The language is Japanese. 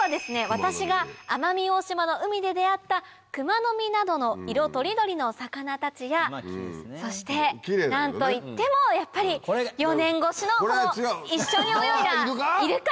私が奄美大島の海で出合ったクマノミなどの色とりどりの魚たちやそして何と言ってもやっぱり４年越しの一緒に泳いだイルカ。